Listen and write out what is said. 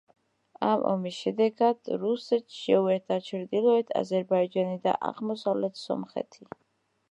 ამ ომის შედეგად რუსეთს შეუერთდა ჩრდილოეთ აზერბაიჯანი და აღმოსავლეთ სომხეთი.